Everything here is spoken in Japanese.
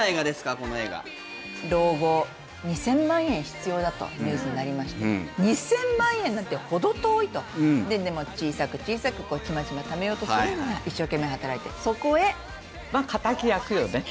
この映画老後２０００万円必要だとニュースになりまして２０００万円なんてほど遠いとでも小さく小さくチマチマ貯めようとする一生懸命働いてそこへまあ敵役よね